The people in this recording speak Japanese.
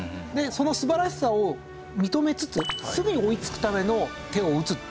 その素晴らしさを認めつつすぐに追いつくための手を打つっていう。